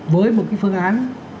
với một cái phương án